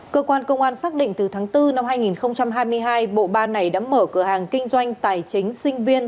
cơ quan công an xác định từ tháng bốn năm hai nghìn hai mươi hai bộ ban này đã mở cửa hàng kinh doanh tài chính sinh viên